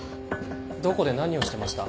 どこで何をしてました？